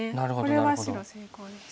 これは白先行です。